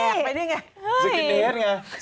สกินเฮดไง